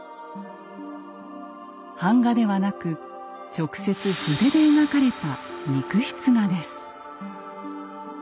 版画ではなく直接筆で描かれた肉筆画です。